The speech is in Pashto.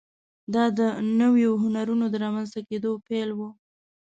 دا د نویو هنرونو د رامنځته کېدو پیل و.